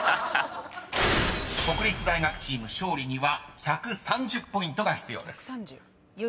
［国立大学チーム勝利には１３０ポイントが必要です］